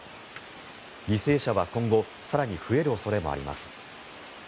犠牲者は今後更に増える恐れもあります。